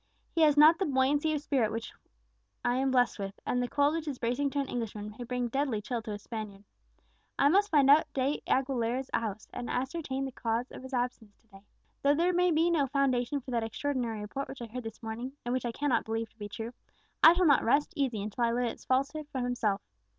He has not the buoyancy of spirit with which I am blessed, and the cold which is bracing to an Englishman may bring deadly chill to a Spaniard. I must find out De Aguilera's house, and ascertain the cause of his absence to day. Though there may be no foundation for that extraordinary report which I heard this morning, and which I cannot believe to be true, I shall not rest easy until I learn its falsehood from himself.